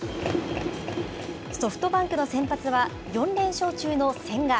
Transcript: ソフトバンクの先発は４連勝中の千賀。